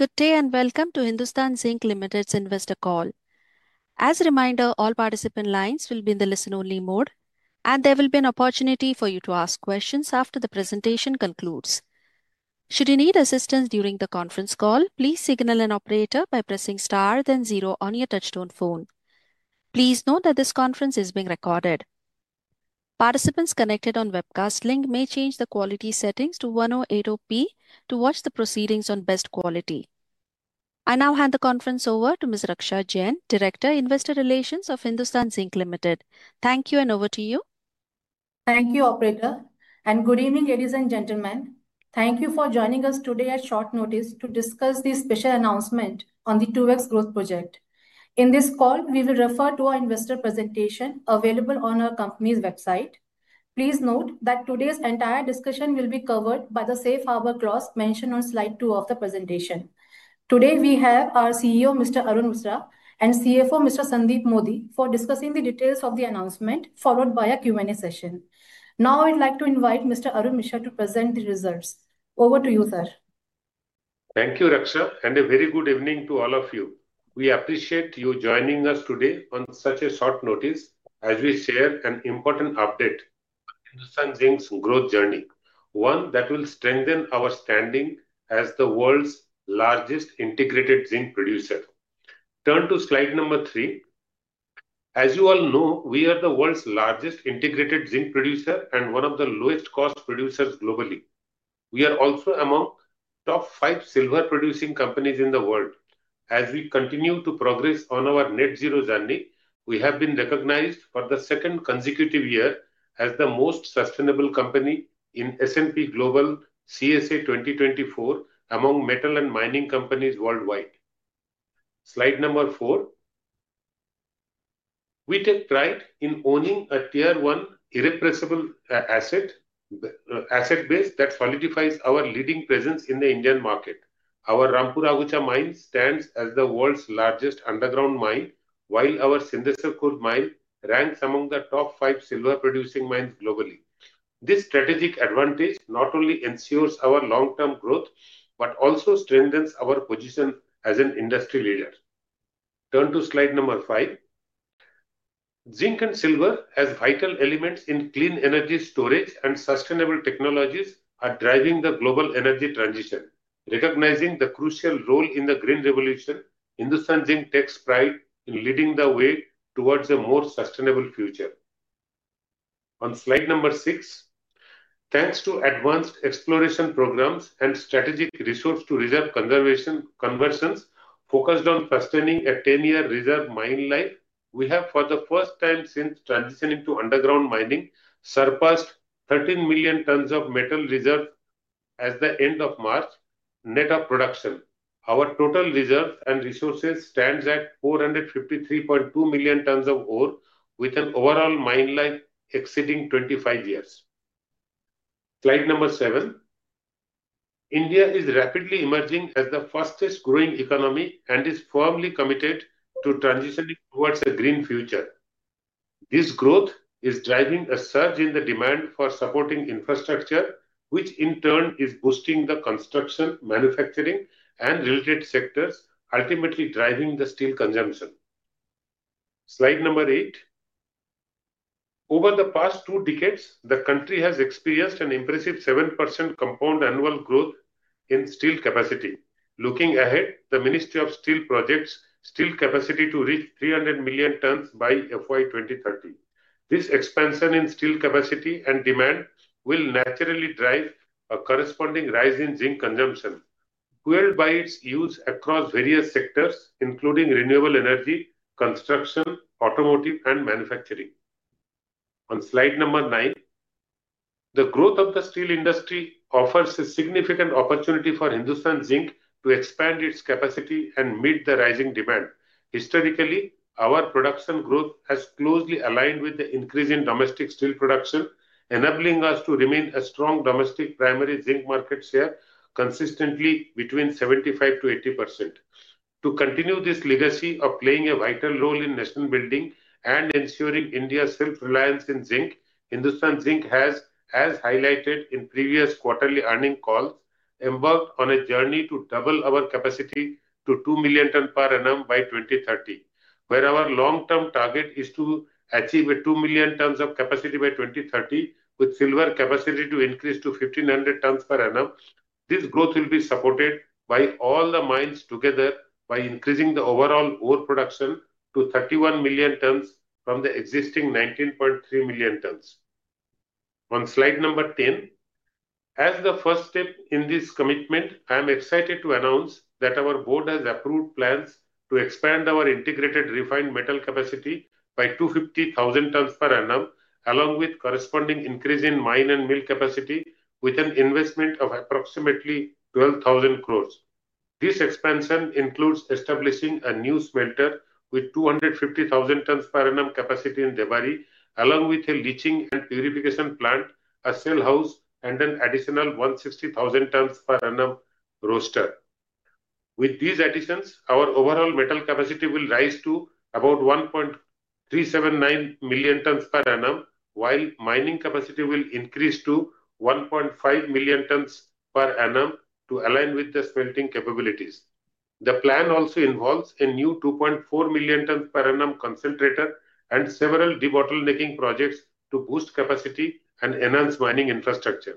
Good day and welcome to Hindustan Zinc Ltd's investor call. As a reminder, all participant lines will be in the listen-only mode, and there will be an opportunity for you to ask questions after the presentation concludes. Should you need assistance during the conference call, please signal an operator by pressing star, then zero on your touchstone phone. Please note that this conference is being recorded. Participants connected on webcast link may change the quality settings to 1080p to watch the proceedings on best quality. I now hand the conference over to Ms. Raksha Jain, Director, Investor Relations of Hindustan Zinc Ltd. Thank you, and over to you. Thank you, Operator. Good evening, ladies and gentlemen. Thank you for joining us today at short notice to discuss the special announcement on the 2X Growth Project. In this call, we will refer to our investor presentation available on our company's website. Please note that today's entire discussion will be covered by the safe harbor clause mentioned on slide two of the presentation. Today, we have our CEO, Mr. Arun Misra, and CFO, Mr. Sandeep Modi, for discussing the details of the announcement, followed by a Q&A session. Now, I'd like to invite Mr. Arun Misra to present the results. Over to you, sir. Thank you, Raksha, and a very good evening to all of you. We appreciate you joining us today on such short notice as we share an important update on Hindustan Zinc's growth journey, one that will strengthen our standing as the world's largest integrated zinc producer. Turn to slide number three. As you all know, we are the world's largest integrated zinc producer and one of the lowest cost producers globally. We are also among the top five silver-producing companies in the world. As we continue to progress on our net zero journey, we have been recognized for the second consecutive year as the most sustainable company in S&P Global CSA 2024 among metal and mining companies worldwide. Slide number four. We take pride in owning a tier one irrepressible asset base that solidifies our leading presence in the Indian market. Our Rampura Agucha mine stands as the world's largest underground mine, while our Sindesar Khurd mine ranks among the top five silver-producing mines globally. This strategic advantage not only ensures our long-term growth, but also strengthens our position as an industry leader. Turn to slide number five. Zinc and silver, as vital elements in clean energy storage and sustainable technologies, are driving the global energy transition. Recognizing the crucial role in the green revolution, Hindustan Zinc takes pride in leading the way towards a more sustainable future. On slide number six, thanks to advanced exploration programs and strategic resource-to-reserve conversions focused on sustaining a 10-year reserve mine life, we have, for the first time since transitioning to underground mining, surpassed 13 million tons of metal reserve as the end of March net of production. Our total reserve and resources stand at 453.2 million tons of ore, with an overall mine life exceeding 25 years. Slide number seven. India is rapidly emerging as the fastest-growing economy and is firmly committed to transitioning towards a green future. This growth is driving a surge in the demand for supporting infrastructure, which in turn is boosting the construction, manufacturing, and related sectors, ultimately driving the steel consumption. Slide number eight. Over the past two decades, the country has experienced an impressive 7% compound annual growth in steel capacity. Looking ahead, the Ministry of Steel projects steel capacity to reach 300 million tons by FY 2030. This expansion in steel capacity and demand will naturally drive a corresponding rise in zinc consumption, fueled by its use across various sectors, including renewable energy, construction, automotive, and manufacturing. On slide number nine, the growth of the steel industry offers a significant opportunity for Hindustan Zinc to expand its capacity and meet the rising demand. Historically, our production growth has closely aligned with the increase in domestic steel production, enabling us to remain a strong domestic primary zinc market share consistently between 75%-80%. To continue this legacy of playing a vital role in national building and ensuring India's self-reliance in zinc, Hindustan Zinc has, as highlighted in previous quarterly earning calls, embarked on a journey to double our capacity to 2 million tons per annum by 2030. Where our long-term target is to achieve 2 million tons of capacity by 2030, with silver capacity to increase to 1,500 tons per annum, this growth will be supported by all the mines together by increasing the overall ore production to 31 million tons from the existing 19.3 million tons. On slide number ten, as the first step in this commitment, I am excited to announce that our board has approved plans to expand our integrated refined metal capacity by 250,000 tons per annum, along with corresponding increase in mine and mill capacity with an investment of approximately 12,000 crore. This expansion includes establishing a new smelter with 250,000 tons per annum capacity in Debari, along with a leaching and purification plant, a cell house, and an additional 160,000 tons per annum roaster. With these additions, our overall metal capacity will rise to about 1.379 million tons per annum, while mining capacity will increase to 1.5 million tons per annum to align with the smelting capabilities. The plan also involves a new 2.4 million tons per annum concentrator and several de-bottlenecking projects to boost capacity and enhance mining infrastructure.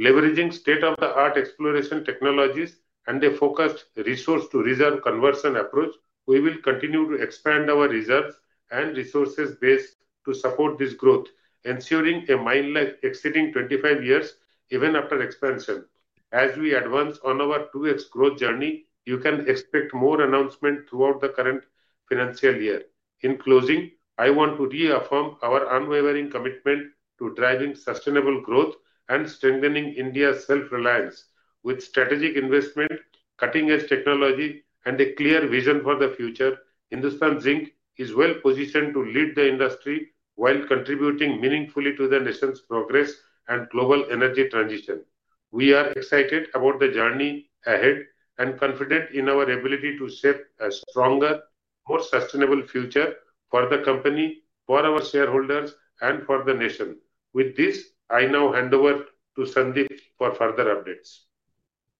Leveraging state-of-the-art exploration technologies and a focused resource-to-reserve conversion approach, we will continue to expand our reserves and resources base to support this growth, ensuring a mine life exceeding 25 years even after expansion. As we advance on our 2X growth journey, you can expect more announcements throughout the current financial year. In closing, I want to reaffirm our unwavering commitment to driving sustainable growth and strengthening India's self-reliance. With strategic investment, cutting-edge technology, and a clear vision for the future, Hindustan Zinc is well positioned to lead the industry while contributing meaningfully to the nation's progress and global energy transition. We are excited about the journey ahead and confident in our ability to shape a stronger, more sustainable future for the company, for our shareholders, and for the nation. With this, I now hand over to Sandeep for further updates.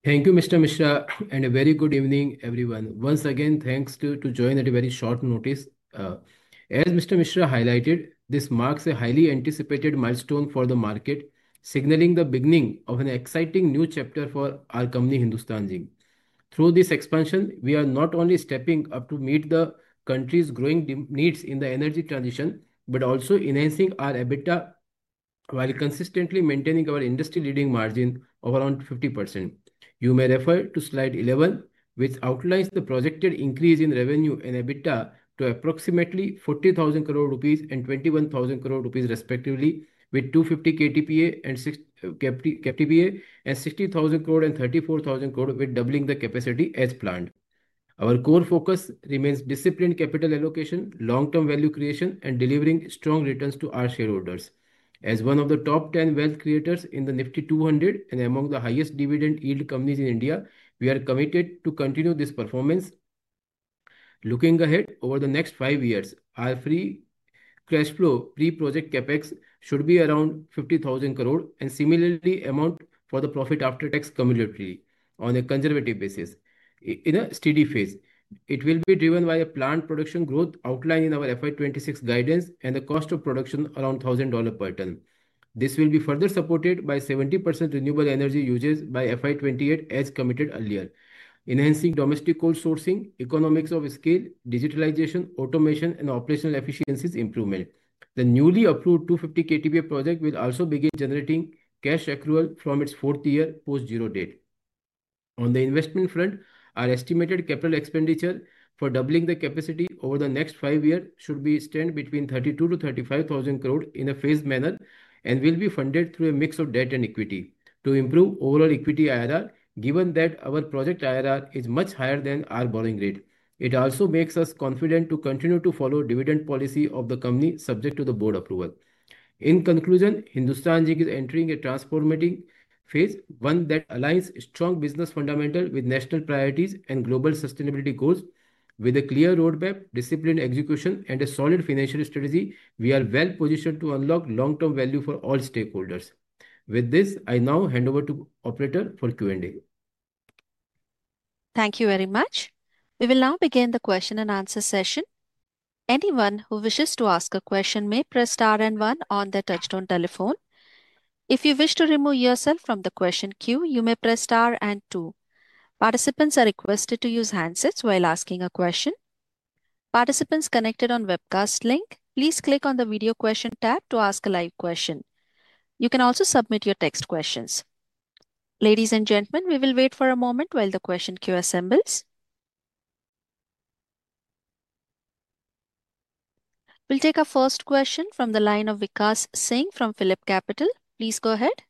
Thank you, Mr. Misra, and a very good evening, everyone. Once again, thanks to join at a very short notice. As Mr. Misra highlighted, this marks a highly anticipated milestone for the market, signaling the beginning of an exciting new chapter for our company, Hindustan Zinc. Through this expansion, we are not only stepping up to meet the country's growing needs in the energy transition, but also enhancing our EBITDA while consistently maintaining our industry-leading margin of around 50%. You may refer to slide 11, which outlines the projected increase in revenue and EBITDA to approximately 40,000 crore rupees and 21,000 crore rupees respectively, with 250 KTPA and 60,000 crore and 34,000 crore, with doubling the capacity as planned. Our core focus remains disciplined capital allocation, long-term value creation, and delivering strong returns to our shareholders. As one of the top 10 wealth creators in the Nifty 200 and among the highest dividend-yield companies in India, we are committed to continue this performance. Looking ahead over the next five years, our free cash flow pre-project Capex should be around 50,000 crore, and similarly, amount for the profit after tax cumulatively on a conservative basis. In a steady phase, it will be driven by a planned production growth outline in our FY 2026 guidance and the cost of production around $1,000 per ton. This will be further supported by 70% renewable energy uses by FY 2028, as committed earlier, enhancing domestic coal sourcing, economics of scale, digitalization, automation, and operational efficiencies improvement. The newly approved 250 KTPA project will also begin generating cash accrual from its fourth year post-zero date. On the investment front, our estimated capital expenditure for doubling the capacity over the next five years should be stretched between 32,000-35,000 crore in a phased manner and will be funded through a mix of debt and equity to improve overall equity IRR, given that our project IRR is much higher than our borrowing rate. It also makes us confident to continue to follow the dividend policy of the company subject to the board approval. In conclusion, Hindustan Zinc is entering a transformative phase, one that aligns strong business fundamentals with national priorities and global sustainability goals. With a clear roadmap, disciplined execution, and a solid financial strategy, we are well positioned to unlock long-term value for all stakeholders. With this, I now hand over to Operator for Q&A. Thank you very much. We will now begin the question and answer session. Anyone who wishes to ask a question may press star and one on the touchstone telephone. If you wish to remove yourself from the question queue, you may press star and two. Participants are requested to use handsets while asking a question. Participants connected on webcast link, please click on the video question tab to ask a live question. You can also submit your text questions. Ladies and gentlemen, we will wait for a moment while the question queue assembles. We'll take our first question from the line of Vikash Singh from Phillip Capital. Please go ahead.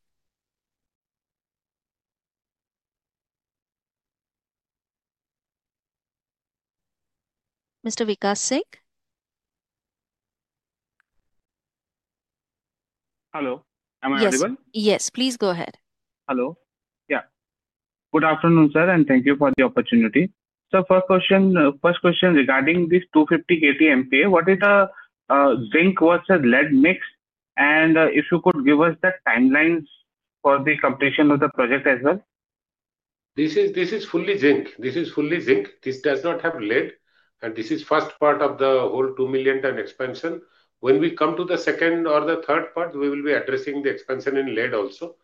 Mr. Vikash Singh? Hello. Am I audible? Yes. Please go ahead. Hello. Yeah. Good afternoon, sir, and thank you for the opportunity. First question regarding this 250 KTPA, what is the zinc versus lead mix, and if you could give us the timelines for the completion of the project as well. This is fully zinc. This does not have lead, and this is the first part of the whole 2 million ton expansion. When we come to the second or the third part, we will be addressing the expansion in lead also.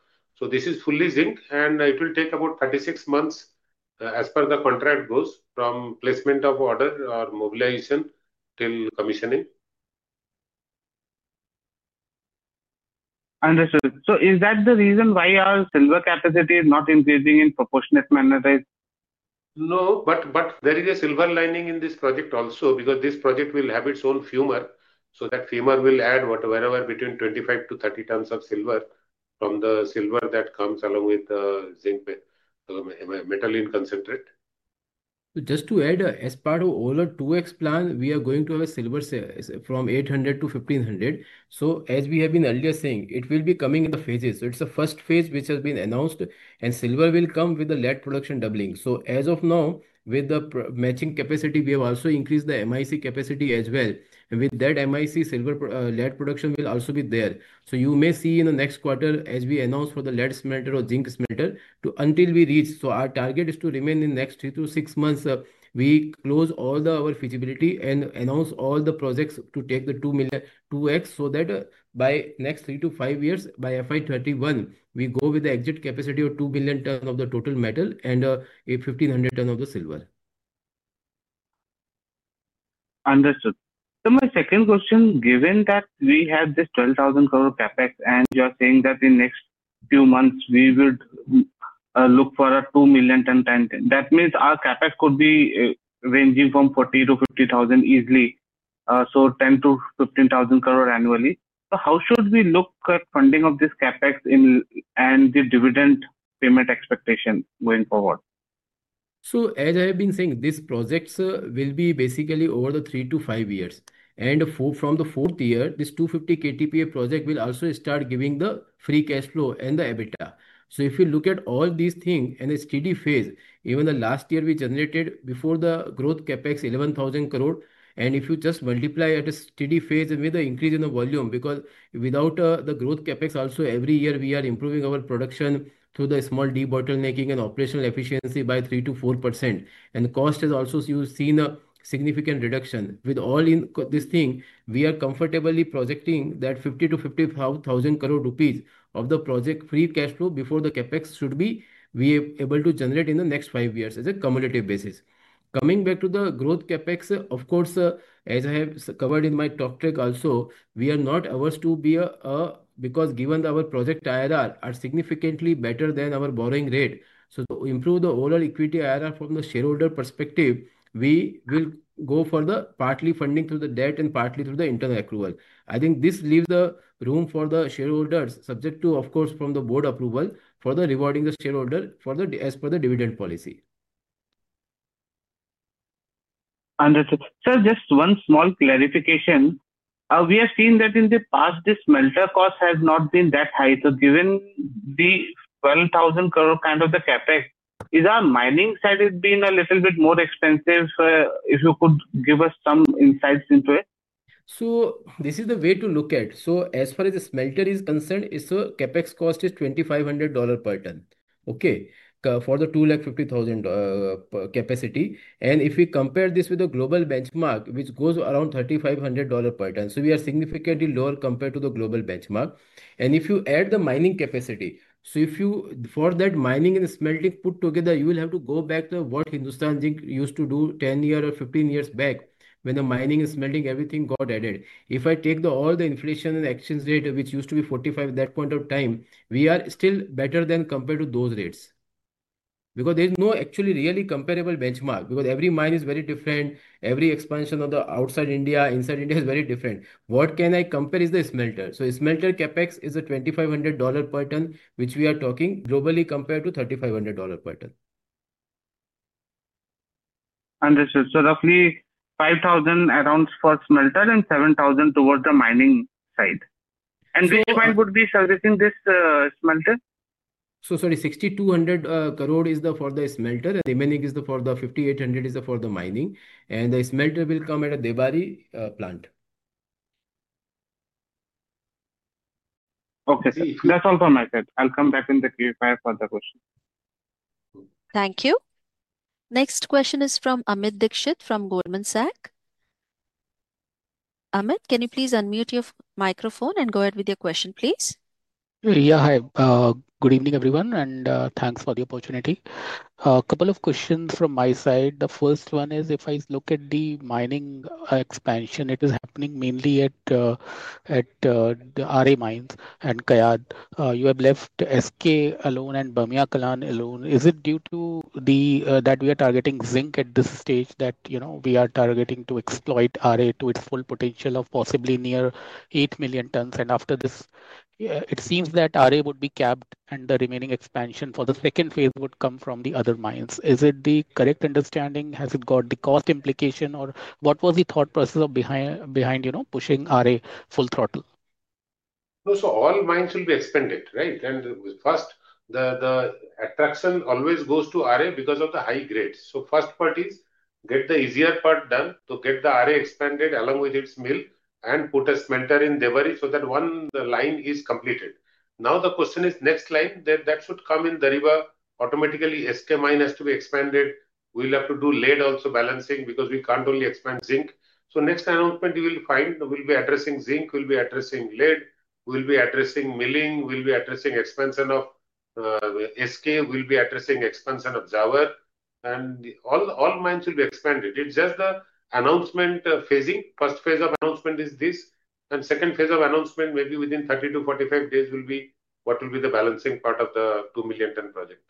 This is fully zinc, and it will take about 36 months as per the contract goes from placement of order or mobilization till commissioning. Understood. Is that the reason why our silver capacity is not increasing in proportionate manner? No, but there is a silver lining in this project also because this project will have its own fumer. So, that fumer will add whatever between 25-30 tons of silver from the silver that comes along with the metal in concentrate. Just to add, as part of our 2X plan, we are going to have silver from 800 to 1,500. As we have been earlier saying, it will be coming in the phases. It is the first phase which has been announced, and silver will come with the lead production doubling. As of now, with the matching capacity, we have also increased the MIC capacity as well. With that MIC, silver lead production will also be there. You may see in the next quarter as we announce for the lead smelter or zinc smelter until we reach. Our target is to remain in the next three to six months. We close all our feasibility and announce all the projects to take the 2X so that by next three to five years, by FY 2021, we go with the exit capacity of 2 million tons of the total metal and 1,500 tons of the silver. Understood. My second question, given that we have this 12,000 crore capex and you are saying that in the next few months we will look for a 2 million ton, that means our capex could be ranging from 40,000-50,000 crore easily, so 10,000-15,000 crore annually. How should we look at funding of this capex and the dividend payment expectation going forward? As I have been saying, these projects will be basically over the three to five years. From the fourth year, this 250 KTPA project will also start giving the free cash flow and the EBITDA. If you look at all these things in a steady phase, even last year we generated before the growth CapEx 11,000 crore, and if you just multiply at a steady phase with the increase in the volume, because without the growth CapEx, also every year we are improving our production through the small de-bottlenecking and operational efficiency by 3%-4%. The cost has also seen a significant reduction. With all this, we are comfortably projecting that 50,000-55,000 crore rupees of the project free cash flow before the CapEx should be we are able to generate in the next five years on a cumulative basis. Coming back to the growth CapEx, of course, as I have covered in my talk track also, we are not averse to it, because given our project IRR are significantly better than our borrowing rate. To improve the overall equity IRR from the shareholder perspective, we will go for the partly funding through the debt and partly through the internal accrual. I think this leaves the room for the shareholders subject to, of course, from the board approval for the rewarding the shareholder as per the dividend policy. Understood. Sir, just one small clarification. We have seen that in the past, the smelter cost has not been that high. Given the 12,000 crore kind of the Capex, is our mining side been a little bit more expensive? If you could give us some insights into it. This is the way to look at it. As far as the smelter is concerned, its CapEx cost is $2,500 per ton for the 250,000 capacity. If we compare this with the global benchmark, which goes around $3,500 per ton, we are significantly lower compared to the global benchmark. If you add the mining capacity, so if you for that mining and smelting put together, you will have to go back to what Hindustan Zinc used to do 10 years or 15 years back when the mining and smelting everything got added. If I take all the inflation and exchange rate, which used to be 45 at that point of time, we are still better than compared to those rates. Because there is no actually really comparable benchmark, because every mine is very different. Every expansion of the outside India, inside India is very different. What I can compare is the smelter. Smelter CapEx is $2,500 per ton, which we are talking globally compared to $3,500 per ton. Understood. Roughly 5,000 crore around for smelter and 7,000 crore towards the mining side. Which mine would be servicing this smelter? Sorry, 6,200 crore is for the smelter. The remaining, 5,800 crore, is for the mining. The smelter will come at the Debari plant. Okay, sir, that's all from my side. I'll come back in the Q&A for the question. Thank you. Next question is from Amit Dixit from Goldman Sachs. Amit, can you please unmute your microphone and go ahead with your question, please? Yeah, hi. Good evening, everyone, and thanks for the opportunity. A couple of questions from my side. The first one is, if I look at the mining expansion, it is happening mainly at the RA mines and Kayad. You have left SKM alone and Bamnia Kalan alone. Is it due to that we are targeting zinc at this stage that we are targeting to exploit Rampura Agucha to its full potential of possibly near 8 million tons? After this, it seems that Rampura Agucha would be capped and the remaining expansion for the second phase would come from the other mines. Is it the correct understanding? Has it got the cost implication or what was the thought process behind pushing Rampura Agucha full throttle? No, so all mines will be expanded, right? First, the attraction always goes to RA because of the high grades. First part is get the easier part done to get the RA expanded along with its mill and put a smelter in Debari so that one line is completed. Now, the question is next line that should come in Dariba automatically, SK mine has to be expanded. We'll have to do lead also balancing because we can't only expand zinc. Next announcement you will find will be addressing zinc, will be addressing lead, will be addressing milling, will be addressing expansion of SK, will be addressing expansion of Zawar. All mines will be expanded. It's just the announcement phasing. First phase of announcement is this. Second phase of announcement maybe within 30-45 days will be what will be the balancing part of the 2 million ton project.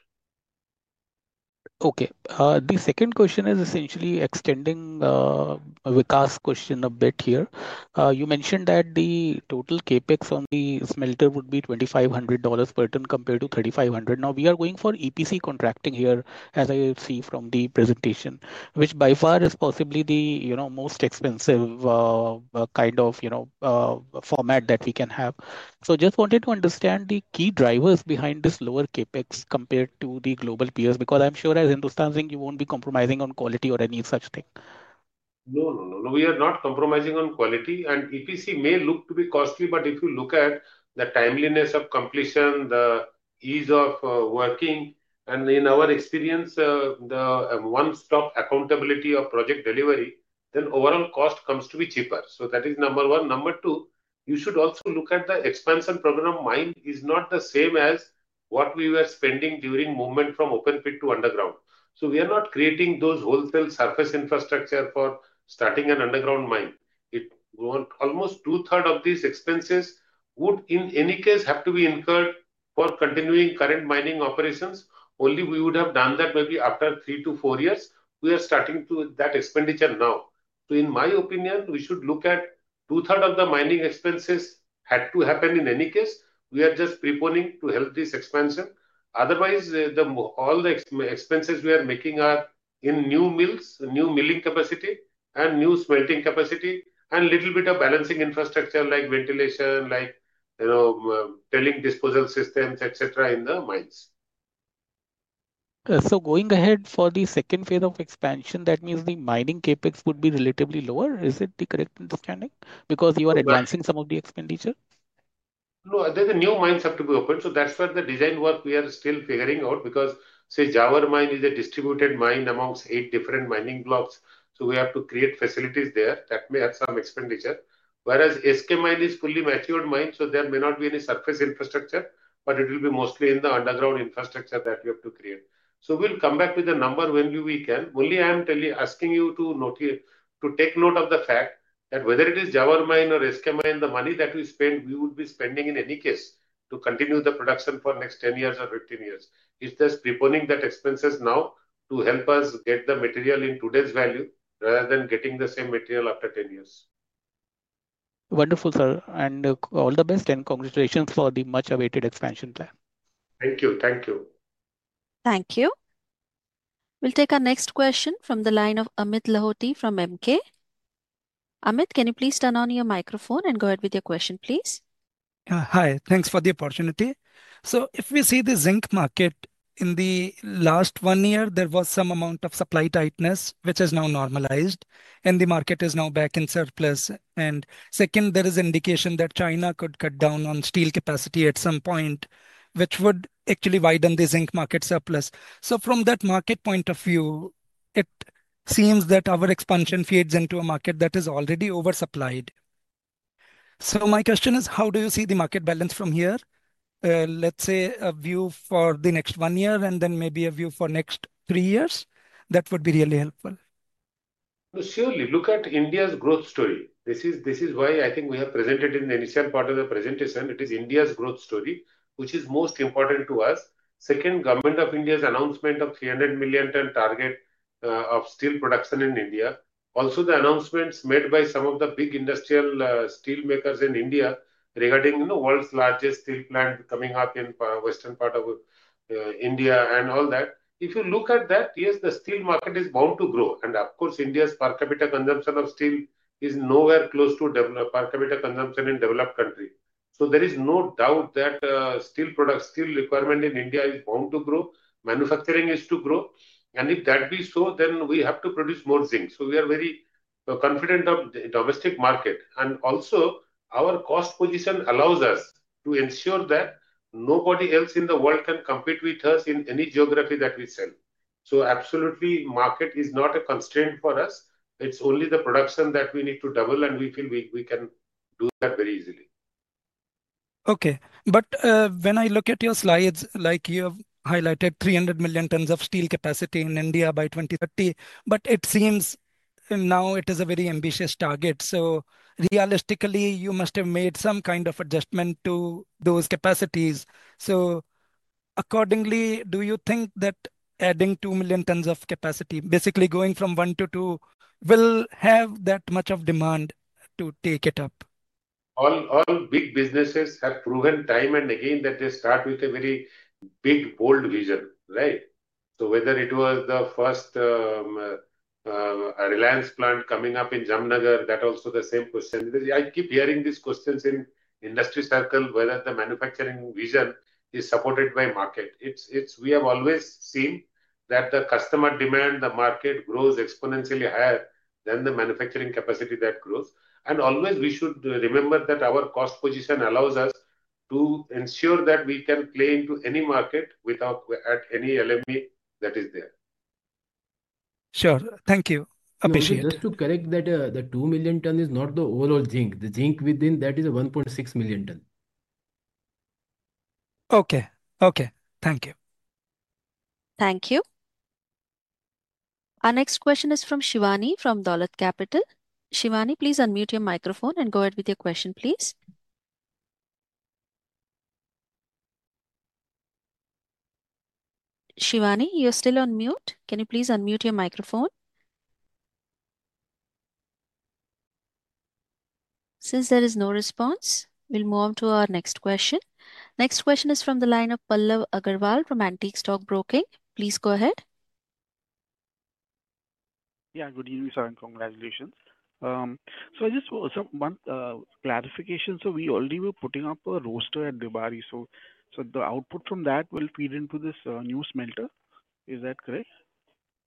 Okay. The second question is essentially extending Vikas's question a bit here. You mentioned that the total CapEx on the smelter would be $2,500 per ton compared to $3,500. Now, we are going for EPC contracting here, as I see from the presentation, which by far is possibly the most expensive kind of format that we can have. Just wanted to understand the key drivers behind this lower CapEx compared to the global peers, because I'm sure as Hindustan Zinc, you won't be compromising on quality or any such thing. No, no, no. We are not compromising on quality. EPC may look to be costly, but if you look at the timeliness of completion, the ease of working, and in our experience, the one-stop accountability of project delivery, then overall cost comes to be cheaper. That is number one. Number two, you should also look at the expansion program. Mine is not the same as what we were spending during movement from open pit to underground. We are not creating those wholesale surface infrastructure for starting an underground mine. Almost two-thirds of these expenses would in any case have to be incurred for continuing current mining operations. Only we would have done that maybe after three to four years. We are starting to that expenditure now. In my opinion, we should look at two-thirds of the mining expenses had to happen in any case. We are just preponing to help this expansion. Otherwise, all the expenses we are making are in new mills, new milling capacity, and new smelting capacity, and a little bit of balancing infrastructure like ventilation, like tailing disposal systems, et cetera in the mines. Going ahead for the second phase of expansion, that means the mining CapEx would be relatively lower. Is it the correct understanding? Because you are advancing some of the expenditure. No, there's a new mine set to be opened. That's where the design work we are still figuring out because, say, Zawar mine is a distributed mine amongst eight different mining blocks. We have to create facilities there that may have some expenditure. Whereas SK mine is a fully matured mine, so there may not be any surface infrastructure, but it will be mostly in the underground infrastructure that we have to create. We'll come back with the number when we can. Only I am asking you to take note of the fact that whether it is Zawar mine or SK mine, the money that we spend, we would be spending in any case to continue the production for the next 10 years or 15 years. It's just preponing that expenses now to help us get the material in today's value rather than getting the same material after 10 years. Wonderful, sir. All the best and congratulations for the much awaited expansion plan. Thank you. Thank you. Thank you. We'll take our next question from the line of Amit Lahoti from EmKay. Amit, can you please turn on your microphone and go ahead with your question, please? Hi. Thanks for the opportunity. If we see the zinc market in the last one year, there was some amount of supply tightness, which has now normalized, and the market is now back in surplus. Second, there is indication that China could cut down on steel capacity at some point, which would actually widen the zinc market surplus. From that market point of view, it seems that our expansion fades into a market that is already oversupplied. My question is, how do you see the market balance from here? Let's say a view for the next one year and then maybe a view for next three years. That would be really helpful. Surely look at India's growth story. This is why I think we have presented in the initial part of the presentation. It is India's growth story, which is most important to us. Second, Government of India's announcement of 300 million ton target of steel production in India. Also, the announcements made by some of the big industrial steel makers in India regarding the world's largest steel plant coming up in the western part of India and all that. If you look at that, yes, the steel market is bound to grow. Of course, India's per capita consumption of steel is nowhere close to per capita consumption in developed country. There is no doubt that steel product steel requirement in India is bound to grow. Manufacturing is to grow. If that be so, then we have to produce more zinc. We are very confident of the domestic market. Also, our cost position allows us to ensure that nobody else in the world can compete with us in any geography that we sell. Absolutely, market is not a constraint for us. It's only the production that we need to double, and we feel we can do that very easily. Okay. When I look at your slides, like you have highlighted 300 million tons of steel capacity in India by 2030, it seems now it is a very ambitious target. Realistically, you must have made some kind of adjustment to those capacities. Accordingly, do you think that adding 2 million tons of capacity, basically going from one to two, will have that much of demand to take it up? All big businesses have proven time and again that they start with a very big, bold vision, right? Whether it was the first Reliance plant coming up in Jamnagar, that also the same question. I keep hearing these questions in industry circles, whether the manufacturing vision is supported by market. We have always seen that the customer demand, the market grows exponentially higher than the manufacturing capacity that grows. We should remember that our cost position allows us to ensure that we can play into any market at any LME that is there. Sure. Thank you. Appreciate it. Just to correct that the 2 million ton is not the overall zinc. The zinc within that is 1.6 million ton. Okay. Okay. Thank you. Thank you. Our next question is from Shivani from Dolat Capital. Shivani, please unmute your microphone and go ahead with your question, please. Shivani, you're still on mute. Can you please unmute your microphone? Since there is no response, we'll move on to our next question. Next question is from the line of Pallav Agarwal from Antique Stock Broking. Please go ahead. Yeah, good evening, sir, and congratulations. Just one clarification. We already were putting up a roaster at Debari. The output from that will feed into this new smelter. Is that correct?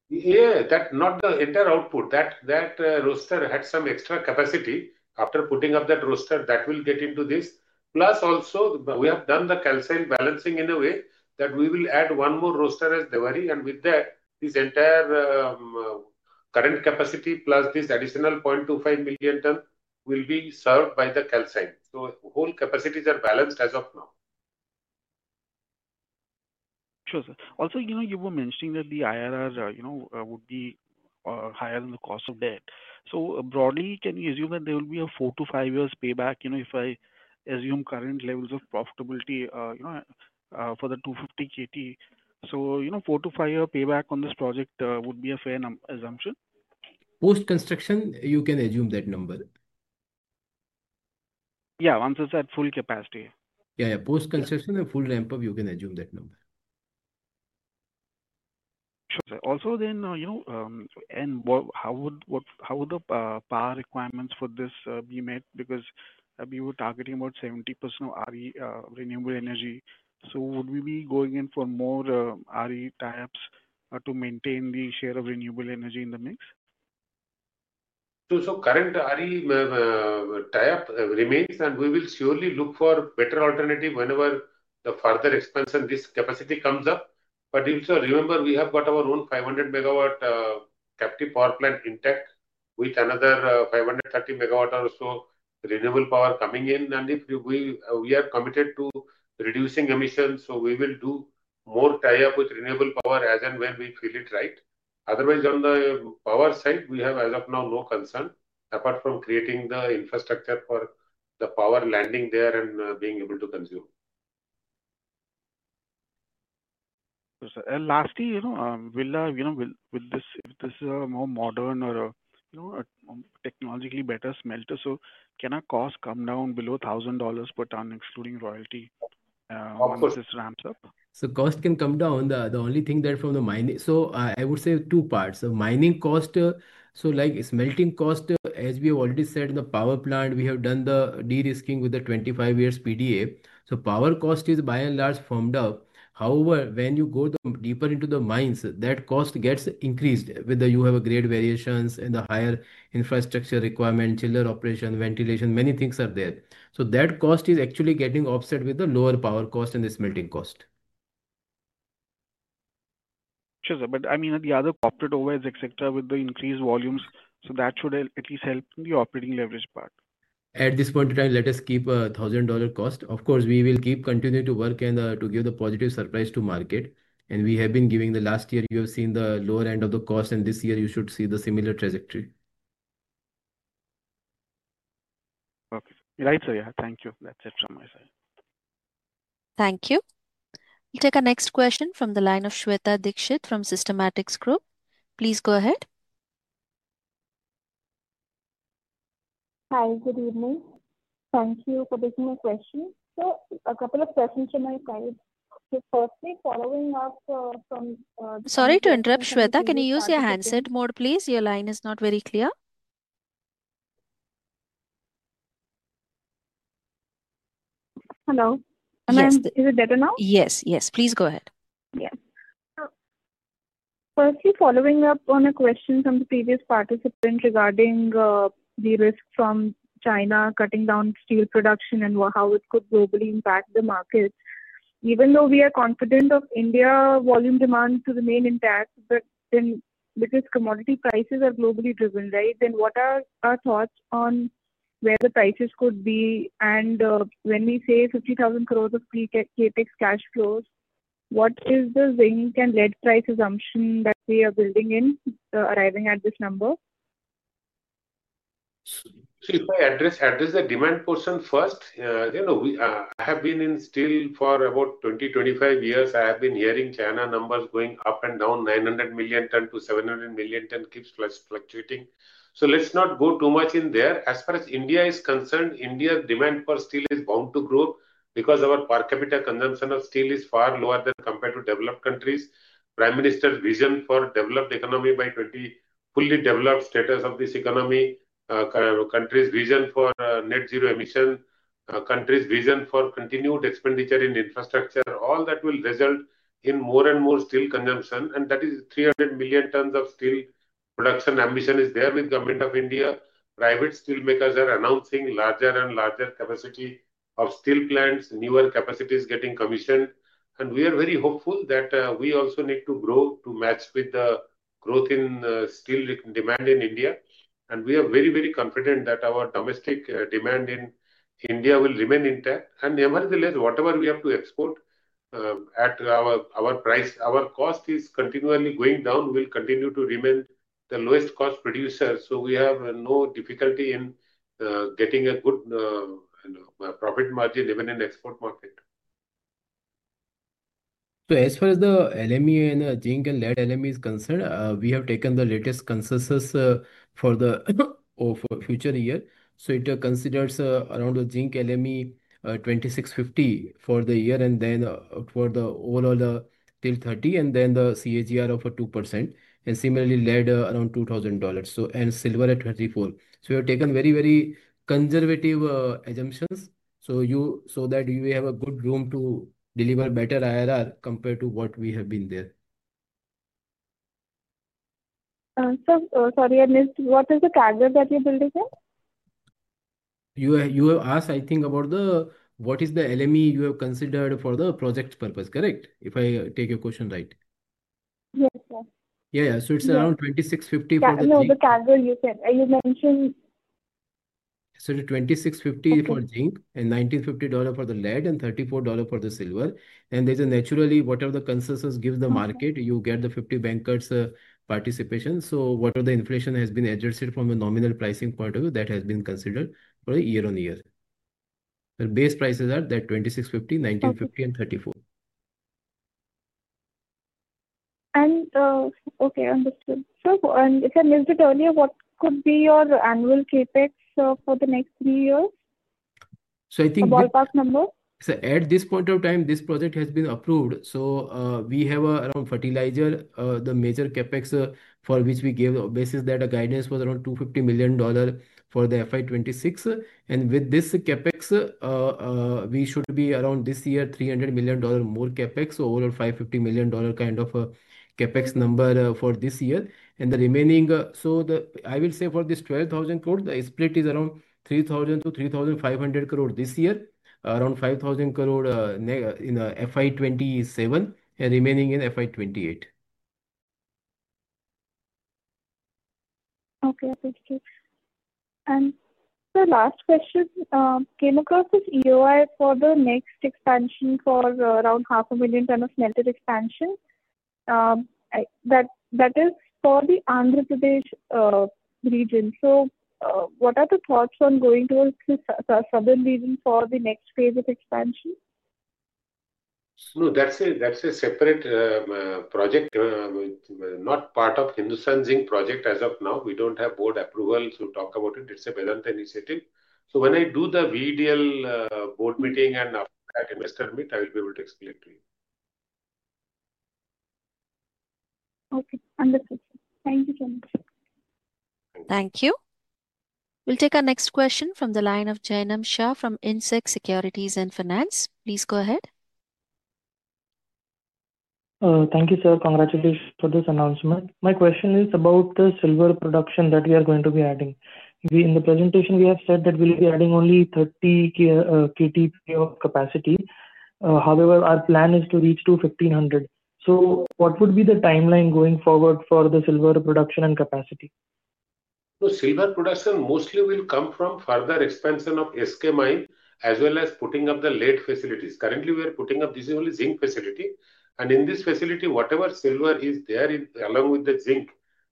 Yeah, not the entire output. That roaster had some extra capacity. After putting up that roaster, that will get into this. Plus, also, we have done the calcine balancing in a way that we will add one more roaster at Debari. With that, this entire current capacity plus this additional 0.25 million ton will be served by the calcine. Whole capacities are balanced as of now. Sure, sir. Also, you were mentioning that the IRR would be higher than the cost of debt. So, broadly, can you assume that there will be a four to five years payback if I assume current levels of profitability for the 250 KT? So, four to five year payback on this project would be a fair assumption? Post-construction, you can assume that number. Yeah, once it's at full capacity. Yeah, yeah. Post-construction and full ramp-up, you can assume that number. Sure, sir. Also, then, and how would the power requirements for this be met? Because you were targeting about 70% of RE, renewable energy. So, would we be going in for more RE tie-ups to maintain the share of renewable energy in the mix? Current RE tie-up remains, and we will surely look for better alternative whenever the further expansion of this capacity comes up. Also, remember, we have got our own 500 MW captive power plant intact with another 530 MW or so renewable power coming in. If we are committed to reducing emissions, we will do more tie-up with renewable power as and when we feel it right. Otherwise, on the power side, we have as of now no concern apart from creating the infrastructure for the power landing there and being able to consume. Sure, sir. Lastly, will this be a more modern or technologically better smelter? Can a cost come down below $1,000 per ton, excluding royalty once this ramps up? Of course. Cost can come down. The only thing that from the mining, I would say two parts. Mining cost, like smelting cost, as we have already said in the power plant, we have done the de-risking with the 25 years PDA. Power cost is by and large firmed up. However, when you go deeper into the mines, that cost gets increased whether you have grade variations and the higher infrastructure requirement, chiller operation, ventilation, many things are there. That cost is actually getting offset with the lower power cost and the smelting cost. Sure, sir. I mean, the other operator ways, et cetera, with the increased volumes, that should at least help the operating leverage part. At this point in time, let us keep a $1,000 cost. Of course, we will keep continuing to work and to give the positive surprise to market. We have been giving the last year, you have seen the lower end of the cost, and this year you should see the similar trajectory. Okay. Right, sir. Yeah. Thank you. That's it from my side. Thank you. We'll take our next question from the line of Shweta Dikshit from Systematix Group. Please go ahead. Hi. Good evening. Thank you for taking my question. A couple of questions from my side. Firstly, following up from. Sorry to interrupt, Shwetha. Can you use your handset mode, please? Your line is not very clear. Hello. Is it better now? Yes. Yes. Please go ahead. Yes. Firstly, following up on a question from the previous participant regarding the risk from China cutting down steel production and how it could globally impact the markets. Even though we are confident of India's volume demand to remain intact, because commodity prices are globally driven, right, what are our thoughts on where the prices could be? When we say 50,000 crore of KTX cash flows, what is the zinc and lead price assumption that we are building in arriving at this number? If I address the demand portion first, I have been in steel for about 20-25 years. I have been hearing China numbers going up and down, 900 million ton to 700 million ton keeps fluctuating. Let's not go too much in there. As far as India is concerned, India's demand for steel is bound to grow because our per capita consumption of steel is far lower than compared to developed countries. Prime Minister's vision for developed economy by 2040, fully developed status of this economy, country's vision for net zero emission, country's vision for continued expenditure in infrastructure, all that will result in more and more steel consumption. That 300 million tons of steel production ambition is there with government of India. Private steel makers are announcing larger and larger capacity of steel plants, newer capacities getting commissioned. We are very hopeful that we also need to grow to match with the growth in steel demand in India. We are very, very confident that our domestic demand in India will remain intact. Nevertheless, whatever we have to export, as our cost is continually going down, we will continue to remain the lowest cost producer. We have no difficulty in getting a good profit margin even in the export market. As far as the LME and the zinc and lead LME is concerned, we have taken the latest consensus for the future year. It considers around the zinc LME $2,650 for the year and then for the overall till 2030, and then the CAGR of 2%. Similarly, lead around $2,000 and silver at $24. We have taken very, very conservative assumptions. You saw that we have a good room to deliver better IRR compared to what we have been there. Sir, sorry, I missed. What is the target that you're building in? You have asked, I think, about what is the LME you have considered for the project purpose, correct? If I take your question right. Yes, sir. Yeah, yeah. It's around $2,650 for the zinc. I know the target you said. You mentioned. $2,650 for zinc and $1,950 for the lead and $34 for the silver. There is a naturally, whatever the consensus gives the market, you get the 50 bankers' participation. Whatever the inflation has been adjusted from a nominal pricing point of view, that has been considered for a YoY. The base prices are that 2,650, 1,950, and 34. Okay, understood. If I missed it earlier, what could be your annual CapEx for the next three years? I think. The ballpark number? Sir, at this point of time, this project has been approved. We have around fertilizer, the major CapEx for which we gave basis that a guidance was around $250 million for the FY 2026. With this CapEx, we should be around this year, $300 million more CapEx, over $550 million kind of a CapEx number for this year. The remaining, I will say for this 12,000 crore, the split is around 3,000-3,500 crore this year, around 5,000 crore in FY 2027 and remaining in FY 2028. Okay. Understood. The last question came across this EOI for the next expansion for around 500,000 ton of smelted expansion. That is for the Andhra Pradesh region. What are the thoughts on going towards the southern region for the next phase of expansion? No, that's a separate project, not part of Hindustan Zinc project as of now. We don't have board approval to talk about it. It's a Vedanta initiative. When I do the VDL board meeting and after that investor meet, I will be able to explain it to you. Okay. Understood. Thank you so much. Thank you. We'll take our next question from the line of Jainam Shah from Insect Securities & Finance. Please go ahead. Thank you, sir. Congratulations for this announcement. My question is about the silver production that we are going to be adding. In the presentation, we have said that we'll be adding only 30 KT of capacity. However, our plan is to reach to 1,500. What would be the timeline going forward for the silver production and capacity? Silver production mostly will come from further expansion of SKMI as well as putting up the lead facilities. Currently, we are putting up this is only zinc facility. In this facility, whatever silver is there along with the zinc,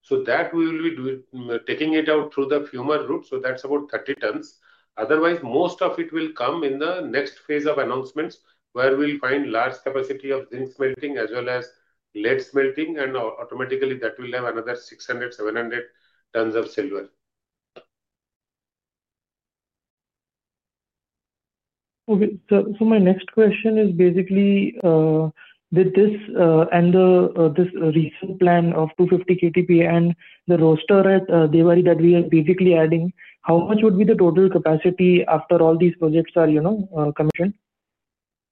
we will be taking it out through the fuming route. That is about 30 tons. Otherwise, most of it will come in the next phase of announcements where we will find large capacity of zinc smelting as well as lead smelting. Automatically, that will have another 600-700 tons of silver. Okay, sir. My next question is basically, with this and the recent plan of 250 KTPA and the roaster at Debari that we are basically adding, how much would be the total capacity after all these projects are commissioned?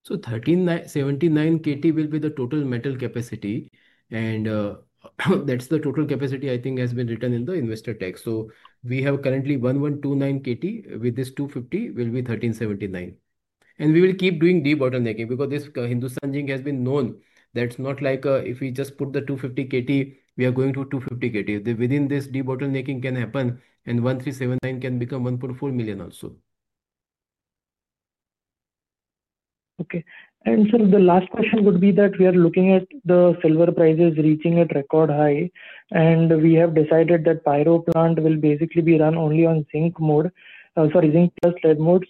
1,379 KT will be the total metal capacity. That is the total capacity, I think, has been written in the investor tax. We have currently 1,129 KT; with this 250, it will be 1,379. We will keep doing de-bottlenecking because Hindustan Zinc has been known. That is not like if we just put the 250 KT, we are going to 250 KT. Within this, de-bottlenecking can happen, and 1,379 can become 1.4 million also. Okay. Sir, the last question would be that we are looking at the silver prices reaching a record high, and we have decided that Pyro plant will basically be run only on zinc mode, sorry, zinc plus lead mode.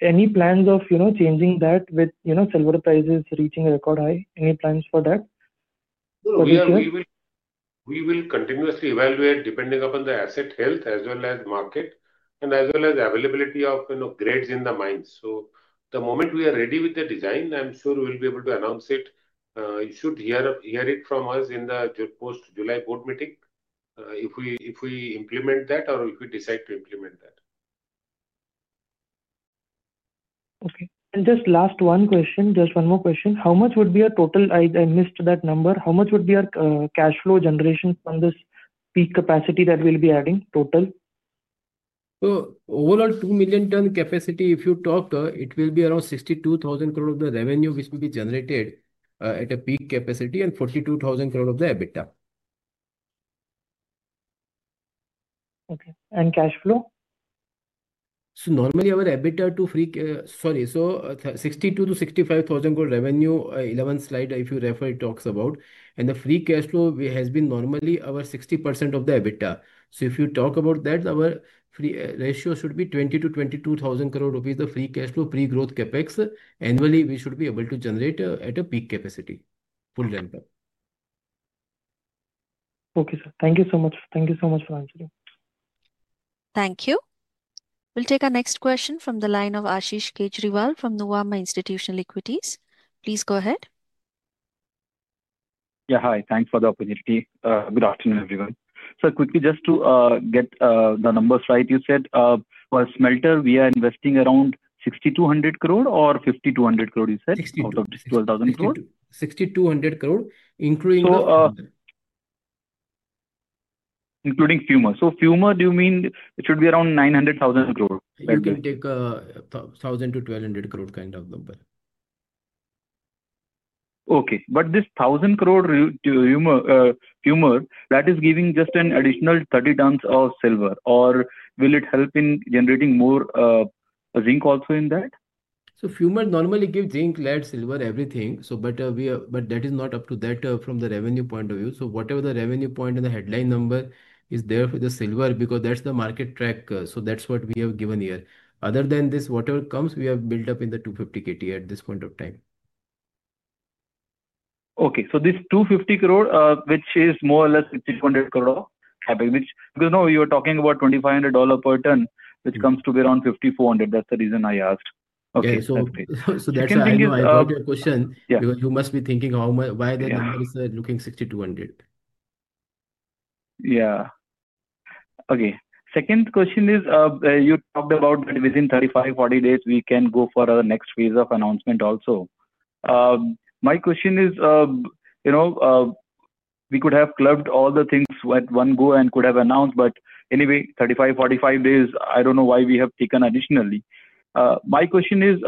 Any plans of changing that with silver prices reaching a record high? Any plans for that? We will continuously evaluate depending upon the asset health as well as market and as well as availability of grades in the mines. The moment we are ready with the design, I'm sure we'll be able to announce it. You should hear it from us in the post-July board meeting if we implement that or if we decide to implement that. Okay. Just last one question, just one more question. How much would be our total? I missed that number. How much would be our cash flow generation from this peak capacity that we will be adding total? Overall, 2 million ton capacity, if you talk, it will be around 62,000 crore of the revenue which will be generated at a peak capacity and 42,000 crore of the EBITDA. Okay. And cash flow? Normally our EBITDA to free, sorry, 62,000-65,000 crore revenue, 11 slide if you refer it talks about. The free cash flow has been normally our 60% of the EBITDA. If you talk about that, our ratio should be 20,000-22,000 crore rupees, the free cash flow, pre-growth CapEx. Annually, we should be able to generate at a peak capacity, full ramp-up. Okay, sir. Thank you so much. Thank you so much for answering. Thank you. We'll take our next question from the line of Ashish Kejriwal from Nuvama Institutional Equities. Please go ahead. Yeah. Hi. Thanks for the opportunity. Good afternoon, everyone. Sir, quickly, just to get the numbers right, you said for smelter, we are investing around 6,200 crore or 5,200 crore, you said? Out of INR 12,000 crore? 6,200 crore, including fuming. Including fuming. So, fuming, do you mean it should be around 900,000 crore? We can take 1,000-1,200 crore kind of number. Okay. But this 1,000 crore fumer, that is giving just an additional 30 tons of silver, or will it help in generating more zinc also in that? Fumer normally gives zinc, lead, silver, everything. That is not up to that from the revenue point of view. Whatever the revenue point and the headline number is there for the silver because that is the market track. That is what we have given here. Other than this, whatever comes, we have built up in the 250 KT at this point of time. Okay. So, this 250 crore, which is more or less 5,200 crore of average, because now you are talking about $2,500 per ton, which comes to be around 5,400 crore. That's the reason I asked. Okay. That is why I think you are out of your question. You must be thinking why the number is looking 6,200. Yeah. Okay. Second question is, you talked about that within 35-40 days, we can go for our next phase of announcement also. My question is, we could have clubbed all the things at one go and could have announced, but anyway, 35-45 days, I do not know why we have taken additionally. My question is,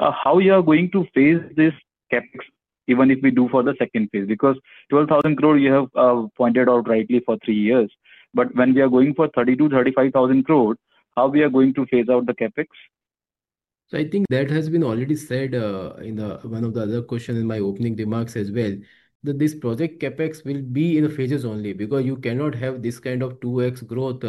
how you are going to phase this CapEx, even if we do for the second phase? Because 12,000 crore, you have pointed out rightly for three years. But when we are going for 32,000-35,000 crore, how are we going to phase out the CapEx? I think that has been already said in one of the other questions in my opening remarks as well, that this project CapEx will be in phases only because you cannot have this kind of 2X growth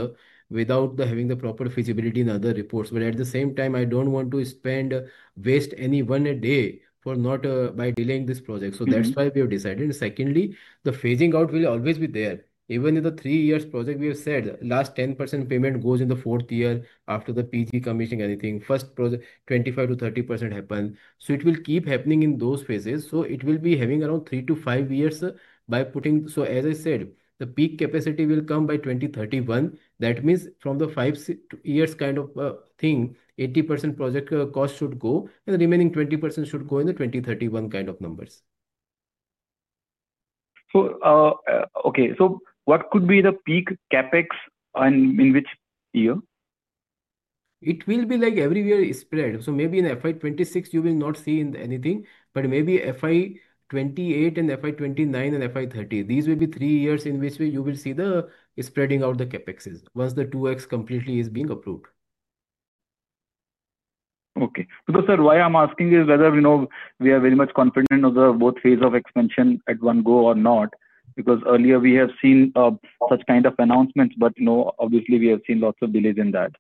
without having the proper feasibility in other reports. At the same time, I do not want to spend, waste any one day by delaying this project. That is why we have decided. Secondly, the phasing out will always be there. Even in the three-year project, we have said last 10% payment goes in the fourth year after the PG commissioning anything. First project, 25%-30% happen. It will keep happening in those phases. It will be having around three to five years by putting. As I said, the peak capacity will come by 2031. That means from the five years kind of thing, 80% project cost should go and the remaining 20% should go in the 2031 kind of numbers. Okay. So, what could be the peak CapEx in which year? It will be like every year spread. Maybe in FY 2026, you will not see anything, but maybe FY 2028 and FY 2029 and FY 2030, these will be three years in which you will see the spreading out the CapExs once the 2X completely is being approved. Okay. Sir, why I'm asking is whether we are very much confident of both phases of expansion at one go or not because earlier we have seen such kind of announcements, but obviously, we have seen lots of delays in that.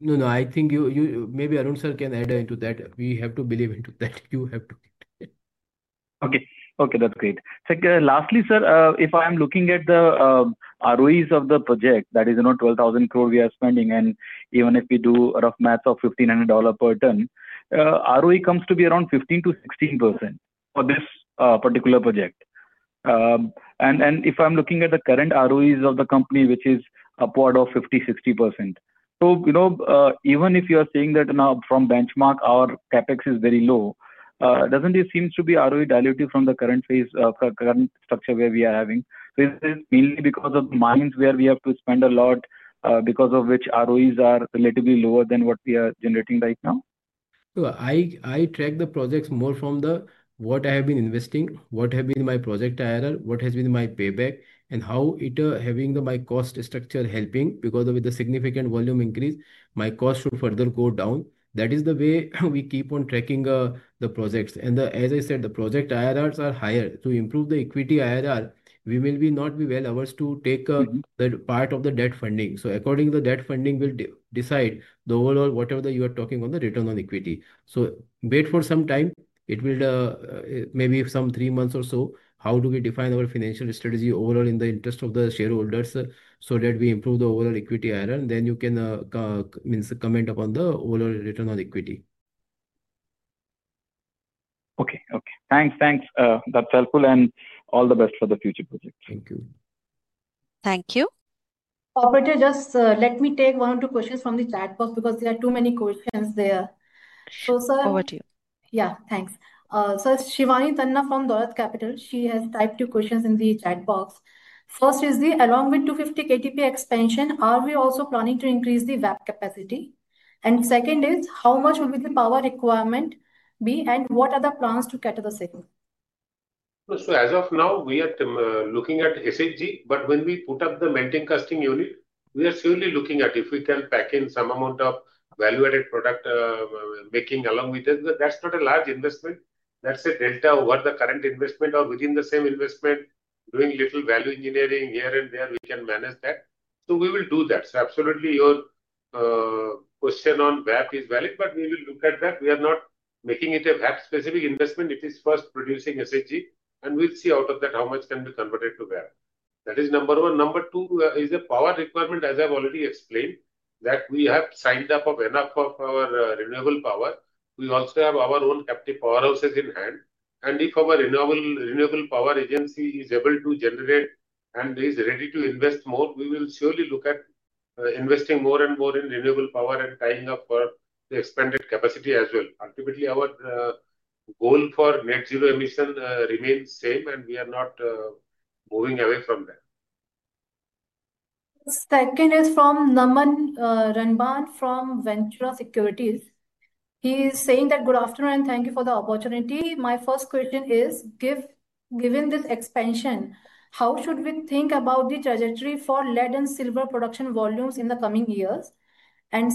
No, no. I think maybe Arun sir can add into that. We have to believe into that. You have to get it. Okay. Okay. That's great. Lastly, sir, if I'm looking at the ROEs of the project, that is around 12,000 crore we are spending. Even if we do rough math of $1,500 per ton, ROE comes to be around 15%-16% for this particular project. If I'm looking at the current ROEs of the company, which is upward of 50%-60%. Even if you are saying that now from benchmark, our CapEx is very low, doesn't it seem to be ROE diluted from the current phase, current structure where we are having? Is it mainly because of mines where we have to spend a lot because of which ROEs are relatively lower than what we are generating right now? I track the projects more from what I have been investing, what have been my project IRR, what has been my payback, and how it having my cost structure helping because of the significant volume increase, my cost should further go down. That is the way we keep on tracking the projects. As I said, the project IRRs are higher. To improve the equity IRR, we will not be well averse to take the part of the debt funding. According to the debt funding, we'll decide the overall whatever you are talking on the return on equity. Wait for some time. It will maybe some three months or so, how do we define our financial strategy overall in the interest of the shareholders so that we improve the overall equity IRR, and then you can comment upon the overall return on equity. Okay. Okay. Thanks. Thanks. That's helpful. All the best for the future projects. Thank you. Thank you. Operator, just let me take one or two questions from the chat box because there are too many questions there. Over to you. Yeah. Thanks. It's Shivani Tanna from Dolat Capital. She has typed two questions in the chat box. First is, along with 250 KTPA expansion, are we also planning to increase the WAP capacity? Second is, how much will the power requirement be, and what are the plans to cater the same? As of now, we are looking at SHG, but when we put up the melting casting unit, we are surely looking at if we can pack in some amount of value-added product making along with it. That is not a large investment. That is a delta over the current investment or within the same investment, doing little value engineering here and there, we can manage that. We will do that. Absolutely, your question on WAP is valid, but we will look at that. We are not making it a WAP-specific investment. It is first producing SHG, and we will see out of that how much can be converted to WAP. That is number one. Number two is the power requirement, as I have already explained, that we have signed up enough of our renewable power. We also have our own captive powerhouses in hand. If our renewable power agency is able to generate and is ready to invest more, we will surely look at investing more and more in renewable power and tying up for the expanded capacity as well. Ultimately, our goal for net zero emission remains the same, and we are not moving away from that. Second is from Naman Ranban from Ventura Securities. He is saying that, "Good afternoon, and thank you for the opportunity. My first question is, given this expansion, how should we think about the trajectory for lead and silver production volumes in the coming years?"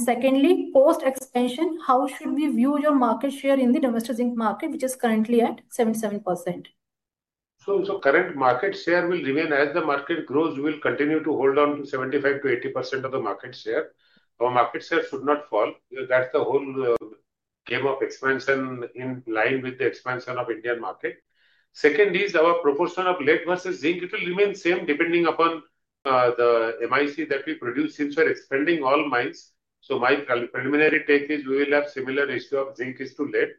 Secondly, post-expansion, how should we view your market share in the domestic zinc market, which is currently at 77%? Current market share will remain as the market grows. We will continue to hold on to 75%-80% of the market share. Our market share should not fall. That is the whole game of expansion in line with the expansion of Indian market. Second is our proportion of lead versus zinc. It will remain same depending upon the MIC that we produce since we are expanding all mines. My preliminary take is we will have similar ratio of zinc is to lead.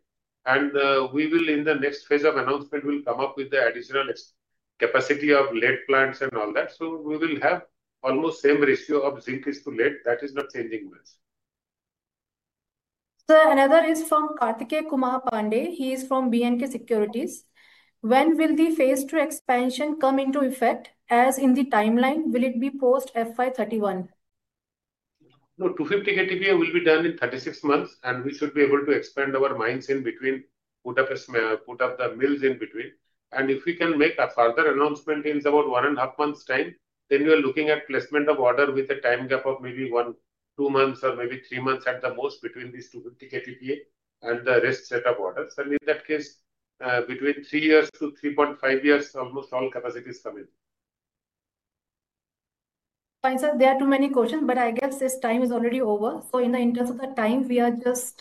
We will, in the next phase of announcement, come up with the additional capacity of lead plants and all that. We will have almost same ratio of zinc is to lead. That is not changing much. Sir, another is from Karthikey Kumar Pandey. He is from BNK Securities. When will the phase II expansion come into effect? As in the timeline, will it be post-FY 2031? No, 250 KTPA will be done in 36 months, and we should be able to expand our mines in between, put up the mills in between. If we can make a further announcement in about one and a half months' time, we are looking at placement of order with a time gap of maybe one, two months or maybe three months at the most between these 250 KTPA and the rest set of orders. In that case, between three years to 3.5 years, almost all capacities come in. Fine. Sir, there are too many questions, but I guess this time is already over. In the interest of time, we are just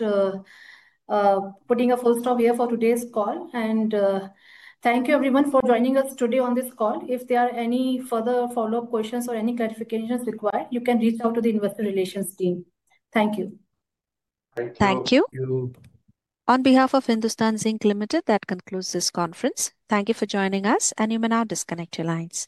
putting a full stop here for today's call. Thank you, everyone, for joining us today on this call. If there are any further follow-up questions or any clarifications required, you can reach out to the investor relations team. Thank you. Thank you. Thank you. On behalf of Hindustan Zinc Ltd, that concludes this conference. Thank you for joining us, and you may now disconnect your lines.